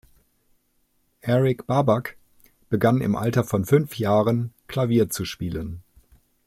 Eric Babak begann im Alter von fünf Jahren Klavier zu spielen.